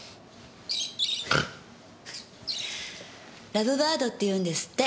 ラブバードって言うんですって。